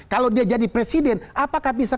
kalau dia jadi presiden apakah bisa